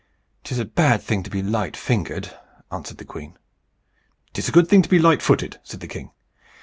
"'Tis a bad thing to be light fingered," answered the queen. "'Tis a good thing to be light footed," said the king.